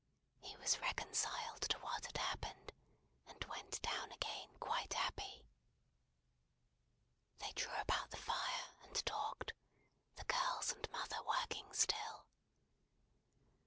He was reconciled to what had happened, and went down again quite happy. They drew about the fire, and talked; the girls and mother working still.